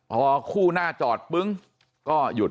ผ่ว้างหน้าจอดปึ๊งก็หยุด